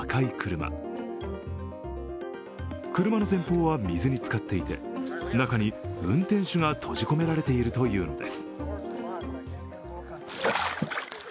車の前方は水につかっていて中に運転手が閉じ込められているというのです。